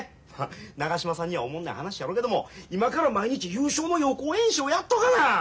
長嶋さんにはおもろない話やろうけども今から毎日優勝の予行演習をやっとかな！